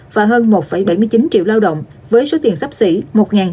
và hơn một bảy mươi chín triệu lao động với số tiền sắp xỉ một chín trăm linh tỷ đồng đạt một trăm linh